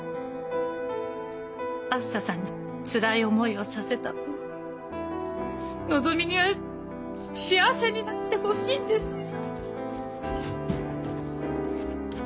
あづささんにつらい思いをさせた分のぞみには幸せになってほしいんですよ。